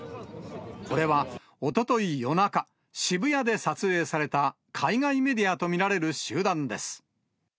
これは、おととい夜中、渋谷で撮影された海外メディアと見られる集団です。